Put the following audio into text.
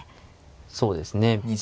そうですね。